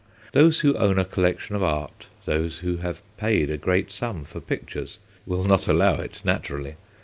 Those who own a collection of art, those who have paid a great sum for pictures, will not allow it, naturally.